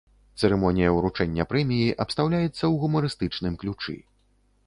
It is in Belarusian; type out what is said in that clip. Цырымонія ўручэння прэміі абстаўляецца ў гумарыстычным ключы.